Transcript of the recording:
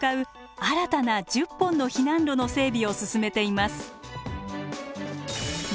新たな１０本の避難路の整備を進めています。